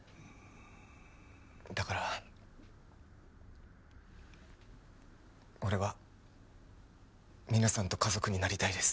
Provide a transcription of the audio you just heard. だから俺は皆さんと家族になりたいです。